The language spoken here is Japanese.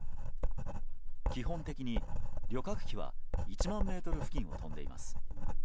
基本的に旅客機は１万ｍ付近を飛んでいます。